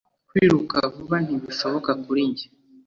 Kwiruka vuba ntibishoboka kuri njye.